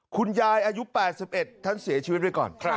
คุณยายอายุ๘๑ท่านเสียชีวิตไว้ก่อน